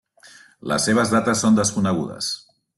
Les seves dates són desconegudes.